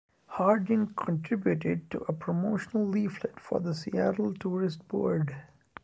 Harding contributed to a promotional leaflet for the Settle tourist board.